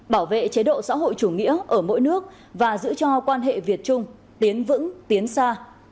bảo vệ chế độ xã hội chủ nghĩa ở mỗi nước và giữ cho quan hệ việt trung tiến vững tiến xa